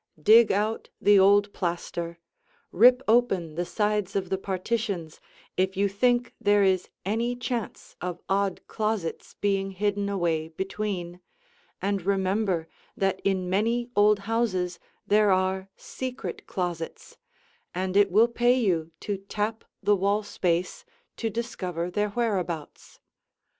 Dig out the old plaster, rip open the sides of the partitions, if you think there is any chance of odd closets being hidden away between, and remember that in many old houses there are secret closets, and it will pay you to tap the wall space to discover their whereabouts.